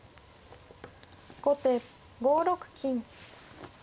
後手５六金。